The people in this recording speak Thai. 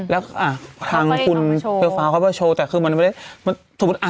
แล้วอ่าทางคุณเวลฟ้าเขาไปโชว์แต่คือมันไม่มันสมมุติอ่า